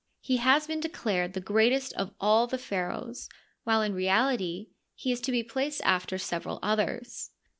He has been declared the greatest of all the pha raohs, while in reality he is to be placed after several others.